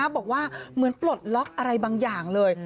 บอกว่าเหมือนปลดล็อกอะไรบางอย่างเลย